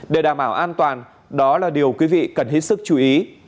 để đảm bảo an toàn đó là điều quý vị cần hết sức chú ý